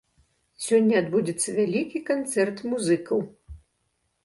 Сёння адбудзецца вялікі канцэрт музыкаў.